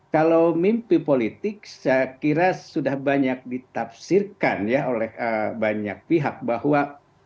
kalau mimpi politik saya kira sudah banyak ditafsirkan ya oleh banyak pihak bahwa